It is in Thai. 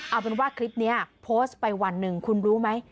เอาเป็นว่าคลิปนี้โพสต์ไปวันหนึ่งคุณรู้ไหม